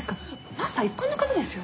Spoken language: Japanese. マスター一般の方ですよ。